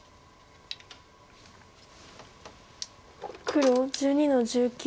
黒１２の十九。